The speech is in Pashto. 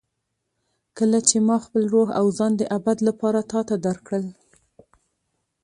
کله چې ما خپل روح او ځان د ابد لپاره تا ته درکړل.